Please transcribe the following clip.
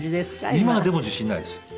今でも自信ないです。